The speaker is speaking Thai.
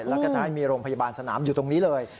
แล้วก็จะให้มีโรงพยาบาลสนามอยู่ตรงนี้เลย